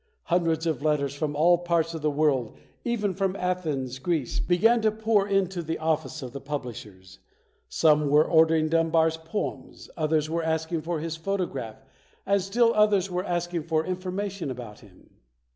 Hundreds of letters from all parts of the world, even from Athens, Greece, began to pour into the office of the publishers. Some were ordering Dun bar's poems, others were asking for his photo graph and still others were asking for information about him.